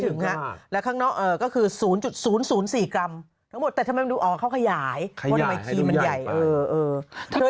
เราคงจะไปก่อนแล้วล่ะว่ายังไงดีแน่